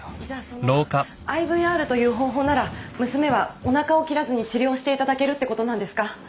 じゃあそのＩＶＲという方法なら娘はおなかを切らずに治療していただけるってことなんですか？